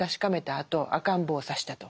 あと赤ん坊を刺したと。